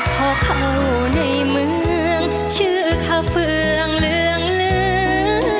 พ่อเข้าในเมืองชื่อเข้าฝั่งเรืองเรื่อง